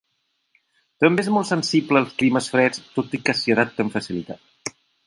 També és molt sensible als climes freds, tot i que s'hi adapta amb facilitat.